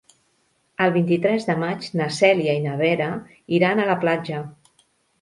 El vint-i-tres de maig na Cèlia i na Vera iran a la platja.